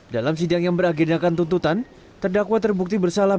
dalam sidang yang beragendakan tuntutan terdakwa terbukti bersalah